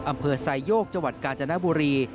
อำเภอไซโยกจังหวัดกาญจนบุรี